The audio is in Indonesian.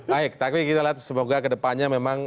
baik tapi kita lihat semoga kedepannya memang